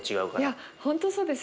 いや本当そうです。